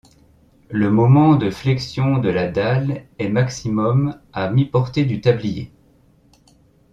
Le moment de flexion de la dalle est maximum à mi-portée du tablier.